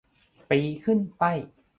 ปีขึ้นไป